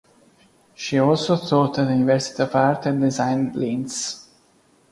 She also taught at University of Art and Design Linz.